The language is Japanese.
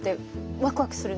ワクワクする。